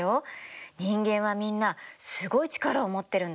人間はみんなすごい力を持ってるんだから。